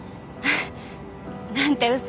なんて嘘。